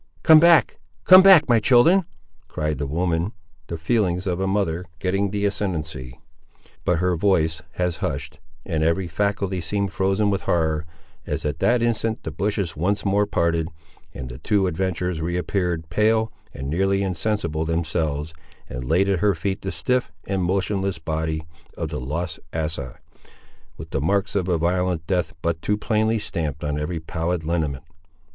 "Come back, come back, my children!" cried the woman, the feelings of a mother getting the ascendency. But her voice was hushed, and every faculty seemed frozen with horror, as at that instant the bushes once more parted, and the two adventurers re appeared, pale, and nearly insensible themselves, and laid at her feet the stiff and motionless body of the lost Asa, with the marks of a violent death but too plainly stamped on every pallid lineament.